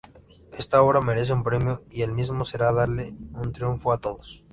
Esta obra merece un premio y el mismo será darle un triunfo a todos.